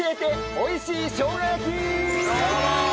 美味しいしょうが焼き！